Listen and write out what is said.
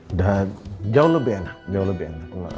udah jauh lebih enak